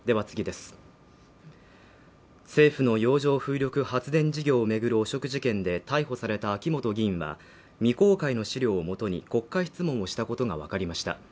政府の洋上風力発電事業を巡る汚職事件で逮捕された秋本議員は未公開の資料をもとに国会質問をしたことが分かりました